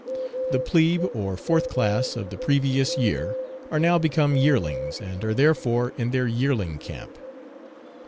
The plebe, or fourth class of the previous year, are now become yearlings, and are therefore in their "yearling camp."